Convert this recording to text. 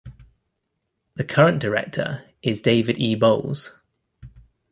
The current director is David E. Bowles.